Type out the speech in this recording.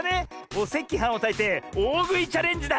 おせきはんをたいておおぐいチャレンジだ！